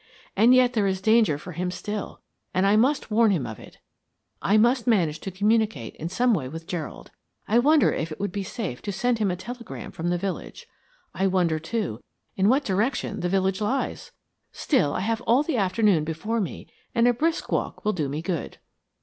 And yet there is danger for him still, and I must warn him of it. I must manage to communicate in some way with Gerald. I wonder if it would be safe to send him a telegram from the village. I wonder, too, in what direction the village lies. Still, I have all the afternoon before me, and a brisk walk will do me good."